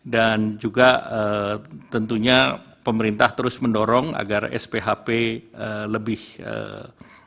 dan juga tentunya pemerintah terus mendorong agar sphp lebih efektif di pasar